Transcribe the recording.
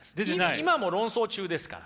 今も論争中ですから。